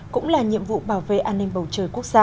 cũng là nhiệm vụ bảo vệ an ninh bầu trời quốc gia